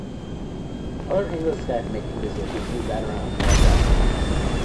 Other English scythe-making districts include that around Belbroughton.